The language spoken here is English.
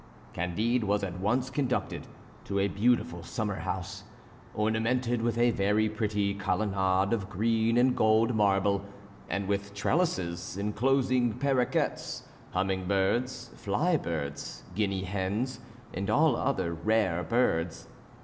Candide was at once conducted to a beautiful summer house, ornamented with a very pretty colonnade of green and gold marble, and with trellises, enclosing parraquets, humming birds, fly birds, guinea hens, and all other rare birds.